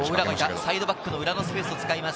サイドバックの裏のスペースを使います。